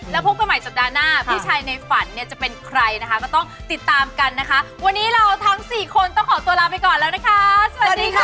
แล้วพบกันใหม่สัปดาห์หน้าพี่ชัยในฝันเนี่ยจะเป็นใครนะคะก็ต้องติดตามกันนะคะวันนี้เราทั้งสี่คนต้องขอตัวลาไปก่อนแล้วนะคะสวัสดีค่ะ